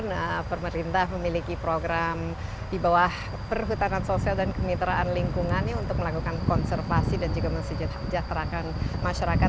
nah pemerintah memiliki program di bawah perhutanan sosial dan kemitraan lingkungannya untuk melakukan konservasi dan juga mensejahterakan masyarakat